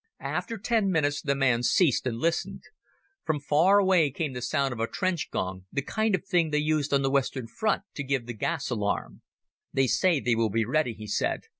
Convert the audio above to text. After ten minutes the man ceased and listened. From far away came the sound of a trench gong, the kind of thing they used on the Western Front to give the gas alarm. "They say they will be ready," he said.